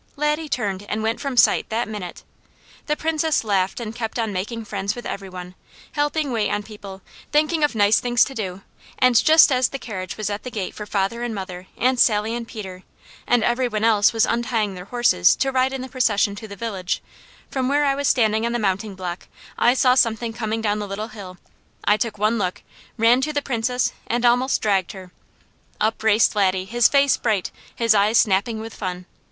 Laddie turned and went from sight that minute. The Princess laughed and kept on making friends with every one, helping wait on people, thinking of nice things to do, and just as the carriage was at the gate for father and mother, and Sally and Peter, and every one else was untying their horses to ride in the procession to the village, from where I was standing on the mounting block I saw something coming down the Little Hill. I took one look, ran to the Princess, and almost dragged her. Up raced Laddie, his face bright, his eyes snapping with fun.